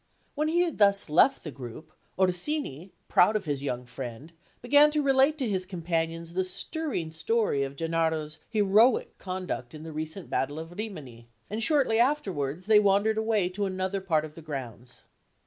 When he had thus left the group, Orsini, proud of his young friend, began to relate to his companions the stirring story of Gennaro's heroic conduct in the recent battle of Rimini; and shortly afterwards, they wandered away to another part of the grounds.